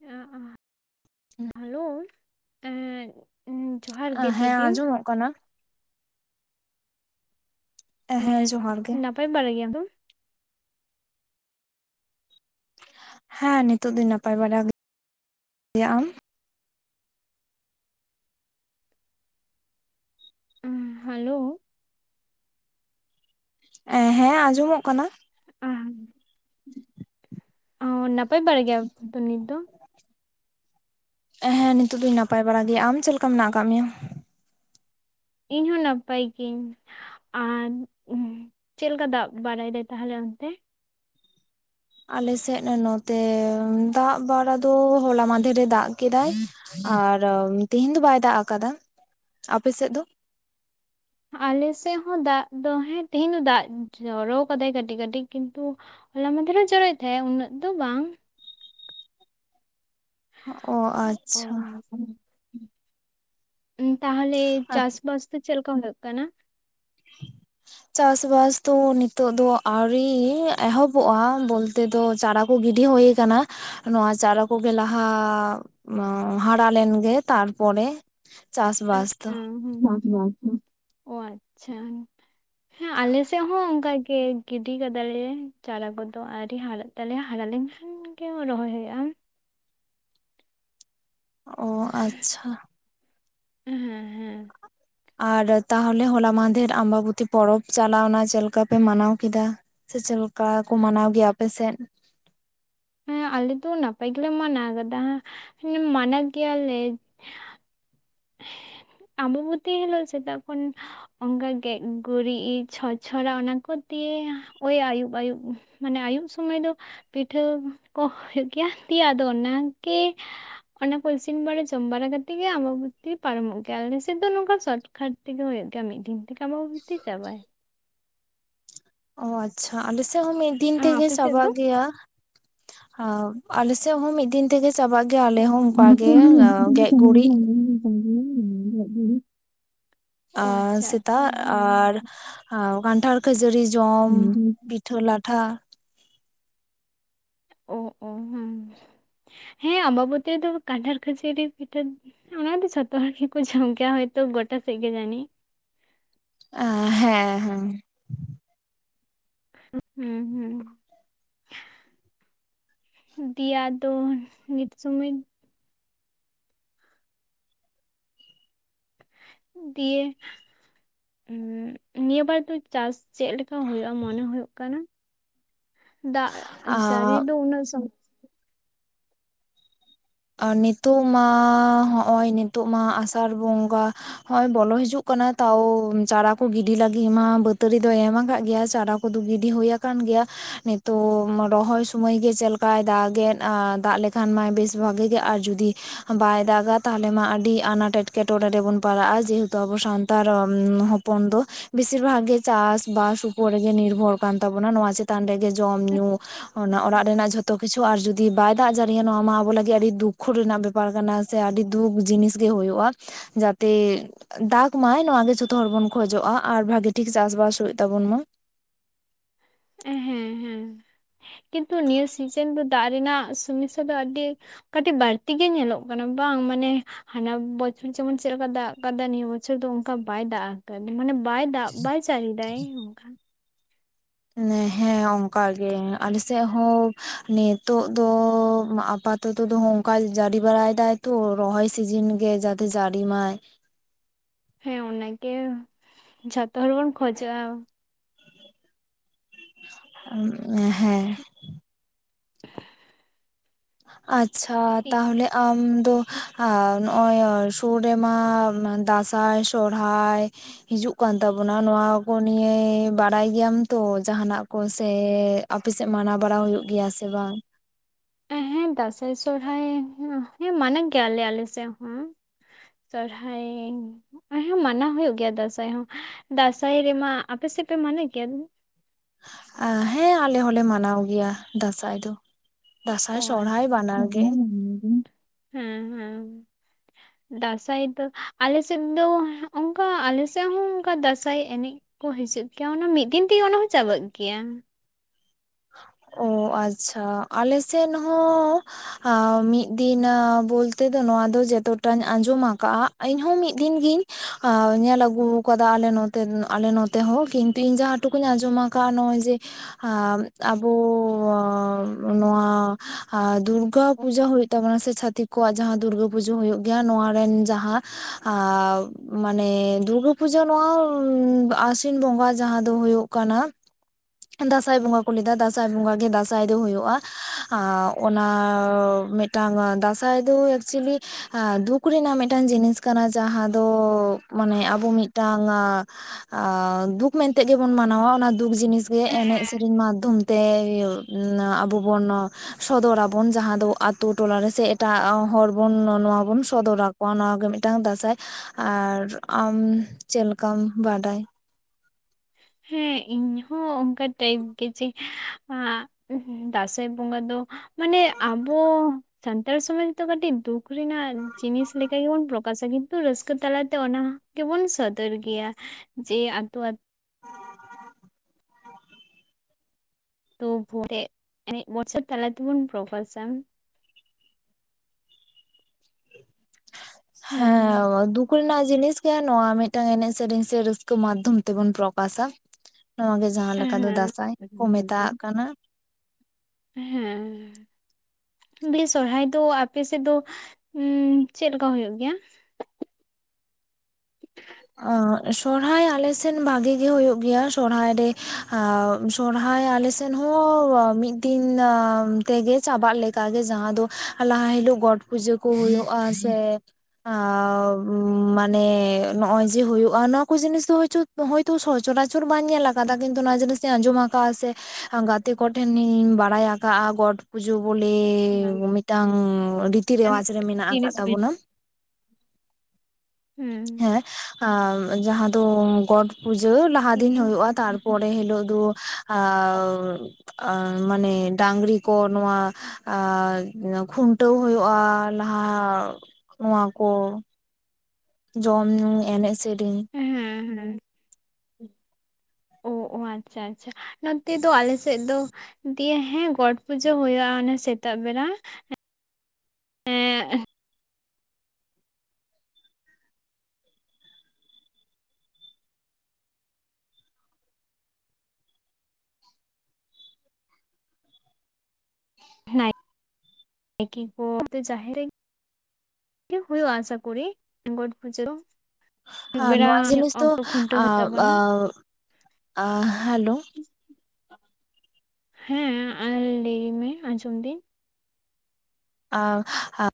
[unintelligible] Hello ᱮᱸᱻ ᱦᱮᱸ ᱟᱸᱡᱚᱢᱚᱜ ᱠᱟᱱᱟ ᱾ ᱦᱮᱸ ᱮᱸ, ᱡᱚᱦᱟᱨ ᱜᱮ ᱾ [unintelligible] ᱵᱟᱲᱟ ᱜᱮᱭᱟᱢ ᱛᱚ? ᱦᱮᱸ ᱱᱤᱛᱳᱜ ᱫᱚᱧ ᱱᱟᱯᱟᱭ ᱵᱟᱲᱟ ᱜᱮᱭᱟ, ᱟᱢ ᱩᱸ, ᱦᱮᱞᱳ ᱾ ᱦᱮᱸ ᱟᱸᱡᱚᱢᱚᱜ ᱠᱟᱱᱟ ᱾ ᱟ ᱚ ᱱᱟᱯᱟᱭ ᱵᱟᱲᱟ ᱜᱮᱭᱟᱯᱮ ᱱᱤᱛ ᱫᱚ? ᱦᱮᱸ ᱱᱤᱛᱳᱜ ᱫᱚᱧ ᱱᱟᱯᱟᱭ ᱵᱟᱲᱟ ᱜᱮᱭᱟ, ᱟᱢ ᱪᱮᱫ ᱞᱮᱠᱟ ᱢᱮᱱᱟᱜ ᱟᱠᱟᱫ ᱢᱮᱭᱟ? ᱤᱧᱦᱚ ᱱᱟᱯᱟᱭ ᱜᱤᱧ ᱾ ᱟᱨ ᱪᱮᱫ ᱞᱮᱠᱟ ᱫᱟᱜ ᱵᱟᱲᱟᱭ ᱫᱟᱭ ᱛᱟᱦᱞᱮ ᱚᱱᱛᱮ? ᱟᱞᱮ ᱥᱮᱫ ᱱᱚᱛᱮ ᱫᱟᱜ ᱵᱟᱲᱟ ᱫᱚ ᱦᱚᱞᱟ ᱢᱟᱫᱷᱮᱨᱮ ᱫᱟᱜ ᱠᱮᱫᱟᱭ ᱾ ᱟᱨ ᱛᱤᱦᱤᱧ ᱫᱚ ᱵᱟᱭ ᱫᱟᱜ ᱟᱠᱟᱫᱟ, ᱟᱯᱮ ᱥᱮᱫ ᱫᱚ? ᱟᱞᱮ ᱥᱮᱫ ᱦᱚᱸ ᱫᱟᱜ ᱫᱚ ᱦᱮᱸ ᱛᱮᱦᱮᱧ ᱫᱚ ᱫᱟᱜ ᱡᱚᱨᱚᱣ ᱠᱟᱫᱟᱭ ᱠᱟᱹᱴᱤᱡ ᱠᱟᱹᱴᱤᱡ ᱠᱤᱱᱛᱩ ᱦᱚᱞᱟ ᱢᱟᱫᱷᱮᱨᱮ ᱡᱚᱨᱚᱭᱮᱫ ᱛᱟᱦᱮᱸᱜ ᱩᱱᱟᱹᱜ ᱫᱚ ᱵᱟᱝ ᱾ ᱚ ᱚ ᱟᱪᱪᱷᱟ [unintelligible] ᱛᱟᱦᱞᱮ ᱪᱟᱥᱵᱟᱥ ᱫᱚ ᱪᱮᱫ ᱞᱮᱠᱟ ᱦᱩᱭᱩᱜ ᱠᱟᱱᱟ? ᱪᱟᱥᱵᱟᱥ ᱫᱚ ᱱᱤᱛᱚᱜ ᱫᱚ ᱟᱹᱣᱨᱤ ᱮᱦᱚᱵᱚᱜᱼᱟ ᱵᱚᱞᱛᱮ ᱫᱚ ᱪᱟᱨᱟ ᱠᱚ ᱜᱤᱰᱤ ᱦᱩᱭ ᱟᱠᱟᱱᱟ, ᱱᱚᱣᱟ ᱪᱟᱨᱟ ᱠᱚᱜᱮ ᱞᱟᱦᱟᱻ ᱢᱢ ᱦᱟᱨᱟ ᱞᱮᱱ ᱜᱮ ᱛᱟᱨᱯᱚᱨᱮ ᱦᱮᱸ, ᱪᱟᱥ-ᱵᱟᱥ ᱫᱚ ᱾ [unintelligible] ᱚ ᱟᱪᱪᱷᱟ ᱾ ᱦᱮᱸ ᱟᱞᱮ ᱥᱮᱫ ᱦᱚᱸ ᱚᱱᱠᱟ ᱜᱮ ᱜᱤᱰᱤ ᱠᱟᱫᱟ ᱞᱮ ᱪᱟᱨ ᱠᱚ ᱫᱚ ᱟᱹᱣᱨᱤ ᱦᱟᱨᱟᱜ ᱛᱟᱞᱮᱭᱟ ᱦᱟᱨᱟ ᱞᱮᱱ ᱠᱷᱟᱱ ᱜᱮ ᱨᱚᱦᱚᱭ ᱦᱩᱭᱭᱜᱼᱟ ᱾ ᱚ ᱟᱪᱪᱷᱟ ᱾ ᱦᱮᱸ ᱦᱮᱸ ᱾ ᱟᱨ ᱛᱟᱦᱞᱮ ᱦᱚᱞᱟ ᱢᱟᱫᱷᱮᱨ, ᱟᱢᱵᱟᱵᱚᱛᱤ ᱯᱚᱨᱚᱵᱽ ᱪᱟᱞᱟᱣᱱᱟ ᱪᱮᱫ ᱞᱮᱠᱟ ᱯᱮ ᱢᱟᱱᱟᱣ ᱠᱮᱫᱟ? ᱥᱮ ᱪᱮᱫ ᱞᱮᱠᱟ ᱠᱚ ᱢᱟᱱᱟᱣ ᱜᱮᱭᱟ ᱟᱯᱮ ᱥᱮᱫ? ᱦᱮᱸ ᱟᱞᱮ ᱫᱚ ᱱᱟᱯᱟᱭ ᱜᱮᱞᱮ ᱢᱟᱱᱟᱣ ᱠᱟᱫᱟ ᱢᱟᱱᱟᱣ ᱜᱮᱭᱟ ᱞᱮ, ᱟᱢᱵᱟᱵᱚᱛᱤ ᱦᱤᱞᱚᱜ ᱥᱮᱛᱟᱜ ᱠᱷᱚᱱ ᱚᱱᱠᱟ ᱜᱮᱡ ᱜᱩᱨᱤᱡ ᱪᱷᱚᱪ ᱪᱷᱚᱨᱟ ᱚᱱᱟ ᱠᱚ ᱫᱤᱭᱮ ᱳᱭ ᱟᱹᱭᱩᱵ-ᱟᱹᱭᱩᱵ ᱾ ᱢᱟᱱᱮ ᱟᱹᱭᱩᱵ ᱥᱚᱢᱚᱭ ᱫᱚ ᱯᱤᱴᱷᱟᱹ ᱠᱚ ᱦᱩᱭᱩᱜ ᱜᱮᱭᱟ ᱛᱤ ᱟᱫᱚ ᱚᱱᱟᱜᱮ ᱚᱱᱟ ᱠᱚ ᱤᱥᱤᱱ ᱵᱟᱲᱟ ᱡᱚᱢ ᱵᱟᱲᱟ ᱠᱟᱛᱮ ᱜᱮ ᱟᱢᱵᱟᱵᱚᱛᱤ ᱛᱤ ᱯᱟᱨᱚᱢᱚᱜ ᱜᱮᱭᱟ ᱟᱞᱮ ᱥᱮᱫ ᱫᱚ ᱱᱚᱝᱠᱟ ᱥᱚᱴ ᱠᱷᱟᱴ ᱛᱮᱜᱮ ᱦᱩᱭᱩᱜ ᱜᱮᱭᱟ ᱢᱤᱫ ᱫᱤᱱ ᱛᱮ ᱜᱮ ᱟᱢᱵᱟᱵᱚᱛᱤ ᱪᱟᱵᱟᱭ ᱾ ᱚ ᱟᱪᱪᱷᱟ ᱟᱞᱮ ᱥᱮᱫ ᱦᱚᱸ ᱢᱤᱫ ᱫᱤᱱ ᱟ ᱛᱮᱜᱮ ᱟᱯᱮ ᱥᱮᱫ ᱪᱟᱵᱟᱜ ᱫᱚ? ᱜᱮᱭᱟ ᱾ ᱚ ᱟᱞᱮ ᱥᱮᱫ ᱦᱚᱸ ᱢᱤᱫ ᱫᱤᱱ ᱛᱮᱜᱮ ᱪᱟᱵᱟᱜ ᱜᱮᱭᱟ ᱟᱞᱮ ᱦᱚᱸ ᱚᱱᱠᱟ ᱜᱮ ᱜᱮᱡ ᱜᱩᱨᱤᱡ [unintelligible] ᱟ ᱟᱪᱪᱷᱟ ᱟᱪᱪᱷᱟ ᱥᱮᱛᱟᱜ ᱟᱨ ᱦᱩᱸ ᱠᱷᱱᱴᱷᱟᱲ ᱠᱟᱹᱡᱟᱹᱲᱤ ᱡᱚᱢ ᱯᱤᱴᱷ ᱴᱷᱟᱹ ᱠᱟᱴᱷᱟ ᱾ ᱚ ᱚ ᱦᱢ ᱦᱮᱸ ᱟᱢᱵᱟᱵᱚᱛᱤ ᱫᱚ ᱠᱷᱟᱱᱴᱷᱟᱲ ᱠᱷᱟᱹᱡᱟᱹᱲᱤ [unintelligible] ᱯᱤᱴᱟᱹ ᱚᱱᱟ ᱫᱚ ᱡᱚᱛᱚ ᱦᱚᱲ ᱜᱮᱠᱚ ᱡᱚᱢ ᱜᱮᱭᱟ ᱦᱚᱭᱛᱳ ᱜᱚᱴᱟ ᱥᱮᱫ ᱜᱮ ᱡᱟᱹᱱᱤᱡ ᱾ ᱟ ᱦᱮᱸ ᱦᱮᱸ ᱾ ᱦᱢ ᱦᱢ ᱾ ᱫᱤᱭᱟ ᱫᱚ ᱢᱤᱫ ᱥᱩᱢᱤᱫ ᱫᱤᱭᱮ ᱱᱤᱭᱟᱹ ᱵᱟᱨ ᱫᱚ ᱪᱟᱥ ᱪᱮᱫ ᱞᱮᱠᱟ ᱦᱩᱭᱩᱜᱼᱟ ᱢᱚᱱᱮ ᱦᱩᱭᱩᱜ ᱠᱟᱱᱟ ᱫᱟᱜ ᱟᱨ ᱡᱟᱹᱲᱤ ᱫᱚ ᱩᱱᱟᱹᱜ ᱥᱢ ᱟᱨ ᱱᱤᱛᱚᱜ ᱢᱟ ᱦᱚᱜᱼᱚᱭ ᱱᱤᱛᱚᱜ ᱢᱟ ᱟᱥᱟᱲ ᱵᱚᱸᱜᱟ ᱦᱚᱜᱼᱚᱭ ᱵᱚᱞᱚ ᱦᱤᱡᱩᱜ ᱠᱟᱱᱟ ᱛᱟᱣ ᱪᱟᱨᱟ ᱠᱚ ᱜᱤᱰᱤ ᱞᱟᱹᱜᱤᱫ ᱢᱟ ᱵᱟᱹᱛᱟᱹᱲᱤ ᱫᱚᱭ ᱮᱢ ᱟᱠᱟᱫ ᱜᱮᱭᱟ ᱪᱟᱨᱟ ᱠᱚᱫᱚ ᱜᱤᱰᱤ ᱦᱳᱭ ᱠᱟᱱ ᱜᱮᱭᱟ, ᱱᱤᱛᱚᱜ ᱨᱚᱦᱚᱭ ᱥᱚᱢᱚᱭ ᱜᱮ ᱪᱮᱫ ᱞᱮᱠᱟᱭ ᱫᱟᱜ ᱜᱮᱫ, ᱟ ᱫᱟᱜ ᱞᱮᱠᱷᱟᱱ ᱢᱟᱭ ᱵᱮᱥ ᱵᱷᱟᱜᱤ ᱜᱮ ᱟᱨ ᱡᱩᱫᱤ ᱵᱟᱭ ᱫᱟᱜᱟ ᱛᱟᱦᱚᱞᱮ ᱢᱟ ᱟᱹᱰᱤ ᱟᱱᱟᱴ ᱮᱴᱠᱮ ᱴᱚᱬᱮ ᱨᱮᱵᱚᱱ ᱯᱟᱲᱟᱜᱼᱟ ᱡᱮᱦᱩᱛᱩ ᱟᱵᱚ ᱥᱟᱱ ᱛᱟᱲ ᱦᱚᱯᱚᱱ ᱫᱚ, ᱵᱮᱥᱤᱨ ᱵᱷᱟᱜ ᱜᱮ ᱪᱟᱥ ᱵᱟᱥ ᱩᱯᱚᱨ ᱜᱮ ᱱᱤᱨᱵᱷᱚᱨ ᱠᱟᱱ ᱛᱟᱵᱚᱱᱟ ᱱᱚᱶᱟ ᱪᱮᱛ ᱪᱮᱛᱟᱱ ᱨᱮᱜᱮ ᱡᱚᱢ ᱧᱩ ᱚᱱᱟ ᱚᱲᱟᱜ ᱨᱮᱱᱟᱜ ᱡᱚᱛᱚ ᱠᱤᱪᱷᱩ ᱟᱨ ᱡᱩᱫᱤ ᱵᱟᱭ ᱫᱟᱜ ᱡᱟᱹᱲᱤᱭᱟ ᱱᱚᱣᱟ ᱢᱟ ᱟᱵᱚ ᱞᱟᱹ ᱜᱮ ᱟᱹᱰᱤ ᱫᱩᱠᱷᱚ ᱨᱮᱱᱟᱜ ᱵᱮᱯᱟᱨ ᱠᱟᱱᱟ ᱥᱮ ᱟᱹᱰᱤ ᱫᱩᱠ ᱡᱤᱱᱤᱥ ᱜᱮ ᱦᱩᱭᱩᱜᱼᱟ, ᱡᱟᱛᱮ ᱫᱟᱜ ᱢᱟᱭ ᱱᱚᱣᱟ ᱜᱮ ᱡᱷᱚᱛᱚ ᱦᱚᱲ ᱵᱩᱱ ᱠᱷᱚᱡᱚᱜᱼᱟ ᱟᱨ ᱵᱷᱟᱹᱜᱤ ᱴᱷᱤᱠ ᱪᱟᱥ ᱵᱟᱥ ᱦᱩᱭᱩᱜ ᱛᱟᱵᱚᱱ ᱢᱟ ᱾ ᱦᱮᱸ ᱦᱮᱸ, ᱠᱤᱱᱛᱩ ᱱᱤᱭᱟᱹ ᱥᱤᱡᱮᱱ ᱫᱚ ᱫᱟᱜ ᱨᱮᱱᱟᱜ ᱥᱚᱢᱚᱥᱟ ᱫᱚ ᱟᱹᱰᱤ ᱠᱟᱹᱴᱤᱡ ᱵᱟᱹᱲᱛᱤ ᱜᱮ ᱧᱮᱞᱚᱜ ᱠᱟᱱᱟ ᱵᱟᱝ ᱢᱟᱱᱮ ᱦᱟᱱᱟ ᱵᱚᱪᱷᱚᱨ ᱡᱮᱢᱚᱱ ᱪᱮᱫ ᱞᱮᱠᱟ ᱫᱟᱜ ᱟᱠᱟᱫᱟ ᱱᱤᱭᱟᱹ ᱵᱚᱪᱷᱚᱨ ᱫᱚ ᱚᱱᱠᱟ ᱵᱟᱭ ᱫᱟᱜᱼᱟ ᱾ ᱢᱟᱱᱮ ᱵᱟᱭ ᱫᱟᱜ ᱵᱟᱭ ᱡᱟᱹᱲᱤᱭᱫᱟᱭ ᱦᱮᱸ ᱚᱱᱠᱟ ᱜᱮ ᱟᱞᱮ ᱥᱮᱫ ᱦᱚᱸ ᱱᱤᱛᱚᱜ ᱫᱚ ᱟᱯᱟᱛ [unintelligible] ᱚᱱᱠᱟ ᱡᱟᱹᱨᱤ ᱵᱟᱲᱟᱭ ᱫᱟᱭ ᱛᱚ ᱨᱚᱦᱚᱭ ᱥᱤᱡᱤᱱ ᱜᱮ ᱡᱟᱛᱮ ᱡᱟᱹᱲᱤ ᱢᱟᱭ ᱾ ᱦᱮᱸ ᱚᱱᱟ ᱜᱮ ᱡᱚᱛᱚᱦᱚᱲ ᱵᱚᱱ ᱠᱷᱚᱡᱚᱜᱼᱟ ᱾ ᱦᱮᱸ ᱾ [inaudible] ᱟᱪᱪᱷᱟ ᱛᱟᱦᱚᱞᱮ ᱟᱢ ᱫᱚ ᱟᱸ ᱱᱚᱜᱼᱚᱭ ᱥᱚᱰᱮᱢᱟ ᱫᱟᱸᱥᱟᱭ ᱥᱚᱲᱦᱟᱭ᱾ ᱦᱤᱡᱩᱜ ᱠᱟᱱ ᱛᱟᱵᱳᱱᱟ ᱱᱚᱣᱟ ᱠᱚ ᱱᱤᱭᱟᱹᱭ ᱵᱟᱲᱟᱭ ᱜᱮᱭᱟᱢ ᱛᱚ ᱡᱟᱦᱟᱸᱱᱟᱜ ᱠᱚ ᱥᱮ ᱟᱯᱮ ᱥᱮᱫ ᱢᱟᱱᱟᱣ ᱵᱟᱲᱟᱣ ᱦᱩᱭᱩᱜ ᱜᱮᱭᱟ ᱥᱮ ᱵᱟᱝ? ᱮᱸ ᱦᱮᱸ ᱫᱟᱸᱥᱟᱭ ᱥᱚᱲᱦᱟᱭ ᱦᱚᱸ ᱦᱮᱸ ᱢᱟᱱᱮ ᱜᱮᱭᱟ ᱞᱮ ᱟᱞᱮ ᱥᱮᱫ ᱦᱚᱸ᱾ ᱥᱚᱨᱦᱟᱭ, ᱮᱸ ᱦᱮᱸ ᱢᱟᱱᱟᱣ ᱦᱩᱭᱩᱜ ᱜᱮᱭᱟ ᱫᱟᱥᱟᱸᱭ ᱦᱚᱸ, ᱫᱟᱥᱟᱸᱭ ᱨᱮᱢᱟ ᱟᱯᱮ ᱥᱮᱫ ᱯᱮ ᱢᱟᱱᱮ ᱜᱮᱭᱟ ᱦᱟ ᱟᱸ ᱦᱮᱸ ᱟᱞᱮ ᱦᱚᱸᱞᱮ ᱢᱟᱱᱟᱣ ᱜᱮᱭᱟ ᱫᱟᱥᱟᱸᱭ ᱫᱚ ᱾ ᱚ ᱟ [unintelligible] ᱦᱩᱸ ᱦᱩᱸ, ᱫᱟᱥᱟᱸᱭ ᱫᱚ ᱟᱞᱮ ᱥᱮᱫ ᱫᱚ ᱦᱮᱸ ᱚᱝᱠᱟ ᱟᱞᱮ ᱥᱮᱫ ᱦᱚᱸ ᱚᱝᱠᱟ ᱫᱟᱥᱟᱸᱭ ᱮᱱᱮᱡ ᱠᱚ ᱦᱤᱡᱩᱜ ᱠᱮᱭᱟ ᱚᱱᱟ ᱢᱤᱫ ᱫᱤᱱ ᱛᱮᱜᱮ ᱚᱱᱟ ᱦᱚᱸ ᱪᱟᱵᱟᱜ ᱜᱮᱭᱟ᱾ ᱚ ᱟᱪᱪᱷᱟ ᱟᱞᱮ ᱥᱮᱫ ᱦᱚᱸ, ᱟ ᱢᱤᱫ ᱫᱤᱱ ᱵᱚᱞᱛᱮ ᱫᱚ ᱱᱚᱣᱟ ᱫᱚ ᱡᱮᱛᱚ ᱴᱟᱜ ᱤᱧ ᱟᱸᱡᱽᱼᱚᱢ ᱟᱠᱟᱜᱼᱟ, ᱤᱧ ᱦᱚᱸ ᱢᱤᱫ ᱫᱤᱱ ᱜᱤᱧ ᱟᱸ ᱧᱮᱞ ᱟᱹᱜᱩ ᱟᱠᱟᱫᱟ ᱟᱞᱮ ᱱᱚᱛᱮ ᱟᱞᱮ ᱱᱚᱛᱮ ᱦᱚᱸ ᱠᱤᱸᱛᱩ ᱤᱧ ᱡᱟᱦᱟᱸ ᱴᱩᱠᱩᱧ ᱟᱸᱡᱚᱢ ᱟᱠᱟᱜᱼᱟ ᱱᱚᱜᱼᱚᱭ ᱡᱮ, ᱟᱸ ᱟᱵᱚᱻᱣ ᱱᱚᱣᱟ ᱫᱩᱨᱜᱟᱹ ᱯᱩᱡᱟᱹ ᱦᱩᱭᱩᱜ ᱛᱟᱵᱚᱱᱟ ᱥᱮ ᱪᱷᱟᱛᱤᱠ ᱠᱚᱣᱟᱜ ᱡᱟᱦᱟᱸ ᱫᱩᱨᱜᱟᱹ ᱯᱩᱡᱟ ᱦᱩᱭᱩᱜ ᱜᱮᱭᱟ ᱱᱚᱣᱟ ᱨᱮᱱ ᱡᱟᱦᱟᱸ, ᱟᱸ ᱢᱟᱱᱮ ᱫᱩᱨᱜᱟᱹ ᱯᱩᱡᱟᱹ ᱱᱚᱶᱟᱻᱱ ᱟᱥᱤᱱ ᱵᱚᱸᱜᱟ ᱡᱟᱦᱟᱸ ᱫᱚ ᱦᱩᱭᱩᱜ ᱠᱟᱱᱟ, ᱮᱸ ᱫᱟᱥᱟᱸᱭ ᱵᱚᱸᱜᱟ ᱠᱚ ᱞᱟᱹᱭ ᱮᱫᱟ, ᱫᱟᱥᱟᱸᱭ ᱵᱚᱸᱜᱟ ᱜᱮ ᱫᱟᱥᱟᱸᱭ ᱫᱚ ᱦᱩᱭᱩᱜᱼᱟ, ᱟᱸ ᱚᱱᱟ ᱢᱤᱫ- ᱴᱟᱝ ᱫᱟᱥᱟᱸᱭ ᱫᱚ ᱮᱠ ᱪᱩᱞᱤ ᱟᱸ ᱫᱩᱠᱷ ᱨᱮᱱᱟᱜ ᱢᱮᱫᱴᱟᱝ ᱡᱤᱱᱤᱥ ᱠᱟᱱᱟ, ᱡᱟᱦᱟᱸ ᱫᱚ ᱢᱟᱱᱮ ᱟᱵᱚ ᱢᱤᱫᱴᱟᱝᱼᱟᱸ ᱟᱸ ᱫᱩᱠ ᱢᱮᱝᱼ ᱛᱮᱜ ᱜᱮᱵᱚᱱ ᱢᱟᱱᱟᱣᱟ, ᱚᱱᱟ ᱫᱩᱠᱷ ᱡᱤᱱᱤᱥ ᱜᱮ ᱮᱱᱮᱡ ᱥᱮᱨᱮᱧ ᱢᱟ ᱛᱩᱢ ᱛᱮ ᱤᱭᱟᱹ ᱱᱟ ᱟᱵᱚ ᱵᱚᱱ ᱥᱚᱫᱚᱨᱟ ᱵᱚᱱ ᱡᱟᱦᱟᱸ ᱫᱚ ᱟᱛᱩ ᱴᱚᱞᱟ ᱨᱮᱥᱮ ᱮ- ᱴᱟᱜ ᱦᱚᱲ ᱵᱚᱱ ᱱᱚ ᱱᱚᱶᱟ ᱵᱚᱱ ᱥᱚᱫᱚᱨᱟᱠᱚᱣᱟ ᱱᱚᱶᱟ ᱜᱮ ᱢᱮᱫᱴᱟᱝ ᱫᱟᱥᱟᱸᱭ ᱟᱨ ᱟᱢ ᱪᱮᱫ ᱞᱮᱠᱟᱢ ᱵᱟᱰᱟᱭ, ᱦᱮᱸ ᱤᱧ ᱦᱚᱸ ᱚᱸᱠᱟ ᱴᱟᱹᱭᱤᱯ ᱜᱮ ᱡᱮ ᱟᱸᱜ ᱩᱸᱦᱩᱸᱦᱩᱸ ᱫᱟᱥᱟᱸᱭ ᱵᱚᱸᱜᱟ ᱫᱚ ᱢᱟᱱᱮ ᱟᱵᱚ ᱥᱟᱱᱛᱟᱲ ᱥᱚᱢᱟᱡᱽ ᱫᱚ ᱠᱟᱹᱴᱤᱡ ᱫᱩᱠ ᱨᱮᱱᱟᱜ ᱡᱤᱱᱤᱥ ᱞᱮᱠᱟ ᱜᱮᱵᱚᱱ ᱯᱨᱚᱠᱟᱥᱼᱟ, ᱠᱤᱱᱛᱩ ᱨᱟᱹᱥᱠᱟᱹ ᱛᱟᱞᱟ ᱛᱮ ᱚᱱᱟ ᱜᱮᱵᱚᱱ ᱥᱚᱫᱚᱨ ᱜᱮᱭᱟ, ᱡᱮ ᱟᱹᱛᱩ ᱟᱹᱛ- ᱛᱩ ᱵᱷᱚ ᱞᱮᱜ ᱮᱱᱮᱡ ᱵᱚᱪᱷᱚᱨ ᱛᱟᱞᱟ ᱛᱮᱵᱚᱱ ᱯᱨᱚᱯᱟᱥᱼᱟᱢ, ᱦᱮᱸᱣ ᱦᱩᱸ ᱫᱩᱠᱷ ᱠᱩ ᱨᱮᱱᱟᱜ ᱡᱤᱱᱤᱥ ᱜᱮ ᱱᱚᱣᱟ ᱢᱤᱫᱴᱟᱝ ᱮᱱᱮᱡ ᱥᱮᱨᱮᱧ ᱥᱮ ᱨᱟᱹᱥᱠᱟᱹ ᱢᱟᱫᱷᱚᱢ ᱛᱮᱵᱚᱱ ᱯᱨᱚᱠᱟᱥᱼᱟ, ᱱᱚᱣᱟ ᱜᱮ ᱡᱟᱦᱟᱸ ᱞᱮᱠᱟ ᱫᱚ ᱦᱮᱸ ᱫᱟᱥᱟᱸᱭ ᱠᱚ ᱢᱮᱛᱟ ᱦᱟᱜ ᱠᱟᱱᱟ᱾ ᱦᱮᱸᱻᱮ, ᱫᱤ ᱥᱚᱨᱦᱟᱭ ᱫᱚ ᱟᱯᱮ ᱥᱮᱫ ᱫᱚ ᱩᱸ ᱪᱮᱫ ᱞᱮᱠᱟ ᱦᱩᱭᱩᱜ ᱜᱮᱭᱟ? ᱚᱸ ᱥᱚᱨᱦᱟᱭ ᱟᱞᱮᱥᱮᱫ ᱵᱷᱟᱜᱤ ᱜᱮ ᱦᱩᱭᱩᱜ ᱜᱮᱭᱟ ᱥᱚᱲᱦᱟᱭ ᱨᱮ ᱟᱸ ᱥᱚᱨᱦᱟᱭ ᱟᱞᱮ ᱥᱮᱱ ᱦᱚᱸ ᱢᱤᱫ ᱫᱤᱱ ᱟᱸ ᱛᱮᱜᱮ ᱪᱟᱵᱟᱜ ᱞᱮᱠᱟ ᱜᱮ ᱡᱟᱦᱟᱸ ᱫᱚ, ᱞᱟᱦᱟ ᱦᱤᱞᱚᱜ ᱜᱚᱴ ᱯᱩᱡᱟᱹ ᱠᱚ ᱦᱩᱭᱩᱜᱼᱟ ᱥᱮ ᱟᱸᱻᱵ ᱢᱟᱱᱮ ᱱᱚᱜᱼᱚᱭ ᱡᱮ ᱦᱩᱭᱩᱜ-ᱟ ᱱᱚᱣᱟ ᱠᱚ ᱡᱤᱱᱤᱥ ᱫᱚ ᱦᱚᱭᱪᱚ ᱦᱳᱭᱛᱚ ᱥᱚᱦ ᱪᱚᱨᱟ ᱪᱚᱨ ᱵᱟᱧ ᱧᱮᱞ ᱟᱠᱟᱫᱟ, ᱠᱤᱱᱛᱩ ᱱᱚᱣᱟ ᱡᱤᱱᱤᱥ ᱤᱧ ᱟᱸᱡᱽᱼᱚᱢ ᱟᱠᱟᱜᱼᱟ ᱥᱮ [unintelligible] ᱜᱟᱛᱮ ᱠᱚᱴᱷᱮᱱ ᱤᱧ ᱵᱟᱲᱟᱭ ᱟᱠᱟᱜᱼᱟ ᱜᱚᱴ ᱯᱩᱡᱟᱹ ᱵᱚᱞᱮᱻᱮᱻᱵ ᱢᱮᱫᱴᱟᱝ ᱨᱤᱛᱤ ᱦᱮᱸ ᱨᱮᱣᱟᱡᱽ ᱨᱮ ᱢᱮᱱᱟᱜ ᱟᱠᱟᱜ ᱡᱤᱱᱤᱥ ᱢᱮᱱᱟᱜ ᱛᱟᱵᱚᱱᱟ᱾ ᱦᱩᱸ ᱦᱮᱸ, ᱟ ᱡᱟᱦᱟᱸ ᱫᱚ ᱜᱚᱴ ᱯᱩᱡᱟᱹ ᱞᱟᱦ- ᱦᱟ ᱫᱤᱱ ᱦᱮᱸ ᱦᱩᱭᱩᱜᱼᱟ ᱛᱟᱨ ᱯᱚᱨᱮ ᱦᱤᱞᱳᱜ ᱫᱚ [unintelligible] ᱟᱻᱣ ᱚ ᱢᱟᱱᱮ ᱰᱟᱺᱜᱽᱨᱤ ᱠᱚ ᱱᱚᱣᱟ ᱟᱸ [unintelligible] ᱠᱷᱩᱱᱴᱟᱹᱣ ᱦᱩᱭᱩᱜᱼᱟ ᱞᱟᱦᱟᱣ ᱱᱚᱣᱟ ᱠᱚ, ᱡᱚᱢ ᱧᱩ ᱮᱱᱮᱡ ᱥᱮᱨᱮᱧ. ᱦᱮᱸ ᱦᱮᱸ ᱳ ᱚ ᱟᱪᱷᱟ ᱟᱪᱷᱟ ᱱᱚᱛᱮ ᱫᱚ ᱟᱞ ᱥᱮᱫ ᱫᱚᱼᱼ ᱫᱤᱭᱮ ᱦᱮᱸ ᱜᱚᱴ ᱯᱩᱡᱟᱹ ᱦᱩᱭᱩᱜᱼᱟ ᱚᱱᱮ ᱥᱮᱛᱟᱜ ᱵᱮᱲᱟ᱾ ᱮᱸ ᱠ ᱠᱚ ᱡᱟᱦᱮ [unintelligible] ᱦᱩᱭᱩᱜᱼᱟ ᱟᱥᱟ ᱠᱚᱨᱤ ᱜᱚᱴ ᱯᱩᱡᱟᱹ ᱾ ᱟᱹᱭᱩᱵ ᱟᱨ ᱵᱮᱲᱟ ᱱᱚᱣᱟ ᱡᱤᱱᱤᱥ ᱫᱚ ᱚᱝᱜᱚ ᱠᱷᱩᱱᱴᱟᱹᱣ ᱟ ᱦᱩᱭᱩᱜ ᱟ ᱛᱟᱵᱚᱱᱟ ᱟ ᱦᱮᱞᱳ [unintelligible] ᱦᱮᱸ ᱞᱟᱹᱭ ᱢᱮ ᱟᱸᱡᱚᱢ ᱫᱤᱧ᱾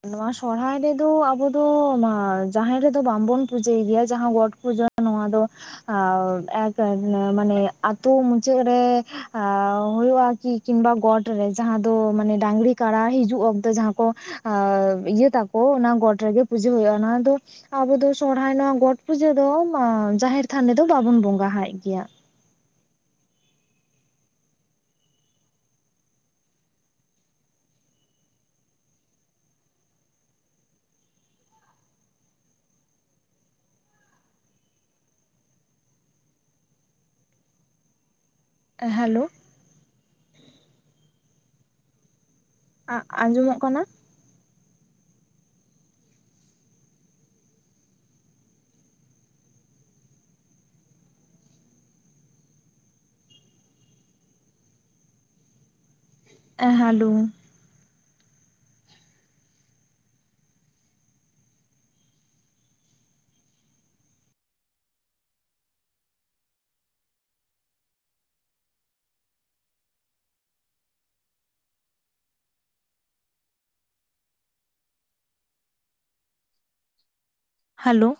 ᱱᱚᱣᱟ ᱥᱚᱨᱦᱟᱭ ᱨᱮᱫᱚ ᱟᱵᱚ ᱫᱚ ᱢᱟ ᱡᱟᱦᱮᱨ ᱨᱮᱫᱚ ᱵᱟᱝ ᱵᱚᱱ ᱯᱩᱡᱟᱹᱭ ᱜᱮᱭᱟ ᱡᱟᱦᱟᱸ ᱜᱚᱴᱼᱼ ᱯᱩᱡᱟᱹ ᱱᱚᱣᱟ ᱫᱚ᱾ ᱟᱨ ᱮᱸᱠ ᱢᱟᱱᱮ ᱟᱛᱳ ᱢᱩᱪᱟᱹᱫ ᱨᱮ ᱦᱩᱭᱩᱜᱼᱟ ᱠᱤ, ᱠᱤᱝᱵᱟ ᱜᱚᱰ ᱨᱮ ᱡᱟᱦᱟᱸ ᱫᱚ ᱢᱟᱱᱮ ᱰᱟᱝᱨᱤ ᱠᱟᱲᱟ ᱦᱤᱡᱩᱜᱼᱟᱼᱼ ᱡᱟᱦᱟᱸ ᱠᱚ ᱤᱭᱟᱹ ᱛᱟᱠᱚ ᱚᱱᱟ ᱜᱚᱴ ᱨᱮᱜᱮ ᱯᱩᱡᱟᱹ ᱦᱩᱭᱩᱜᱼᱟ ᱚᱱᱟ ᱫᱚ, ᱟᱵᱚ ᱫᱚ ᱥᱚᱨᱦᱟᱭ ᱱᱚᱣᱟ ᱜᱚᱴ ᱯᱩᱡᱟᱹ ᱫᱚ ᱡᱟᱦᱮᱨ ᱛᱷᱟᱱ ᱨᱮᱫᱚ ᱵᱟᱵᱚᱱ ᱵᱚᱸᱜᱟᱣᱟᱭ ᱜᱮᱭᱟ᱾ ᱦᱮᱞᱳ ᱟᱸᱡᱚᱢᱚᱜ ᱠᱟᱱᱟ? Hello hello,